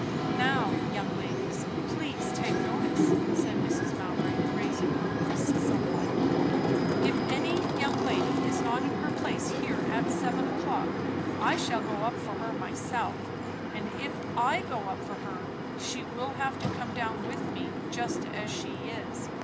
Now, young ladies, please take notice," said Mrs. Mowbray, raising her voice somewhat. "If any young lady is not in her place here at seven o'clock, I shall go up for her myself; and if I go up for her, she will have to come down with me, just as she is.